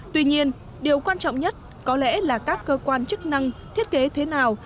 tuy nhiên điều quan trọng nhất có lẽ là các cơ quan chức năng thiết kế thế nào